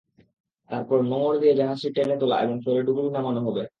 তারপর নোঙর দিয়ে জাহাজটি টেনে তোলা এবং পরে ডুবুরি নামানো হবে।